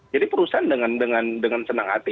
jadi perusahaan dengan senang hati ya kita akan mengikuti